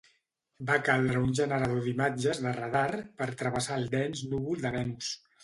Va caldre un generador d'imatges de radar per travessar el dens núvol de Venus.